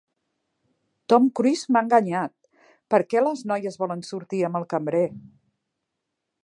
Tom Cruise m'ha enganyat! per què les noies volen sortir amb el cambrer?